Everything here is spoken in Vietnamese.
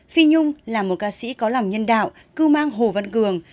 phi nhung là một ca sĩ có lòng nhân đạo cư mang hô vấn cường